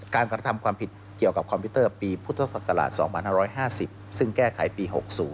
การกระทำความผิดเกี่ยวกับคอมพิวเตอร์ปีพุทธศักราช๒๕๕๐ซึ่งแก้ไขปี๖๐